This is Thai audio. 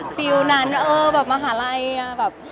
แบบมหาลัย